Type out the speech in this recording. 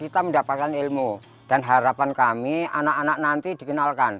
kita mendapatkan ilmu dan harapan kami anak anak nanti dikenalkan